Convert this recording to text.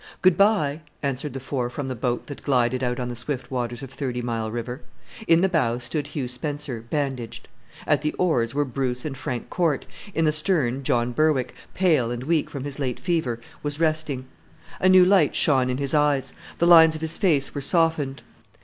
"Good bye," answered the four from the boat that glided out on the swift waters of Thirty Mile River. In the bow stood Hugh Spencer, bandaged; at the oars were Bruce and Frank Corte; in the stern John Berwick, pale and weak from his late fever, was resting. A new light shone in his eyes; the lines of his face were softened.